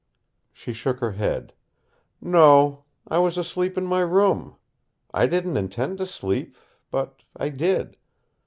She shook her head. "No. I was asleep in my room. I didn't intend to sleep, but I did.